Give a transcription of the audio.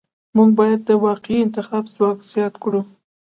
موږ باید د واقعي انتخاب ځواک زیات کړو.